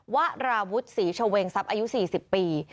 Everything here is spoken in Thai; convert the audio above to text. วราวุฒิศรีเฉวงทรัพย์อายุ๔๐ปี